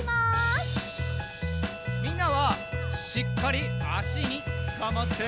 みんなはしっかりあしにつかまって！